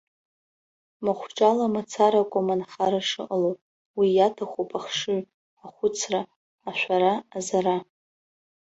Махәҿала мацара акәым анхара шыҟало, уи иаҭахуп ахшыҩ, ахәыцра, ашәара-азара.